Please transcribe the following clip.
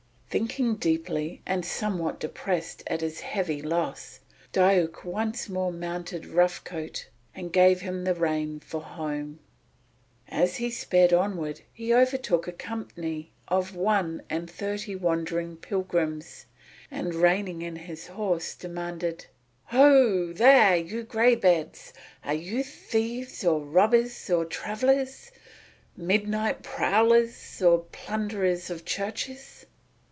Thinking deeply and somewhat depressed at his heavy loss, Diuk once more mounted Rough Coat and gave him the rein for home. As he sped onward he overtook a company of one and thirty wandering pilgrims, and reining in his horse demanded: "Ho, there, you greybeards, are you thieves or robbers or travellers, midnight prowlers or plunderers of churches?"